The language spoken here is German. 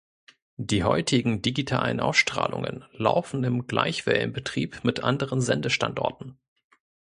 Die heutigen digitalen Ausstrahlungen laufen im Gleichwellenbetrieb mit anderen Sendestandorten.